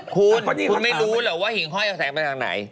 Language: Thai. คุณคุณไม่รู้หรอกว่าหิ่งห้อยเอาแสงไปทางไหน